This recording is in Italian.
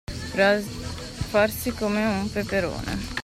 Farsi come un peperone.